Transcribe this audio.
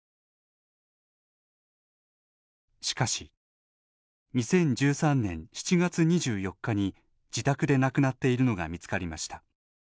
しかし、２０１３年７月２４日に自宅で亡くなっているのが見つかりました。